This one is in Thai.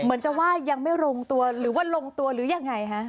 เหมือนจะว่ายังไม่ลงตัวหรือว่าลงตัวหรือยังไงฮะ